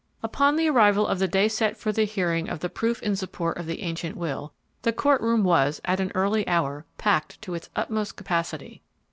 Upon the arrival of the day set for the hearing of the proof in support of the ancient will, the court room was, at an early hour, packed to its utmost capacity.